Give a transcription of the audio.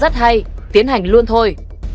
và rất hay tiến hành luôn thôi